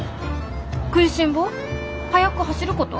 食いしん坊？速く走ること？